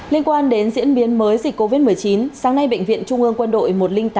liên quan đến diễn biến mới dịch covid một mươi chín sáng nay bệnh viện trung ương quân đội một trăm linh tám